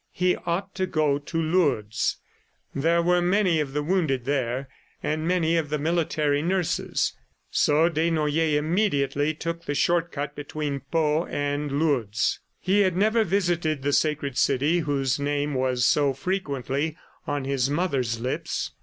He ought to go to Lourdes; there were many of the wounded there and many of the military nurses. So Desnoyers immediately took the short cut between Pau and Lourdes. He had never visited the sacred city whose name was so frequently on his mother's lips.